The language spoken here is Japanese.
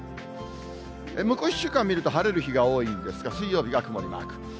向こう１週間見ると、晴れる日が多いんですが、水曜日が曇りマーク。